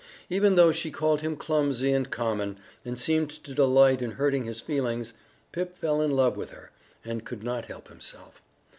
Even though she called him clumsy and common, and seemed to delight in hurting his feelings, Pip fell in love with her and could not help himself.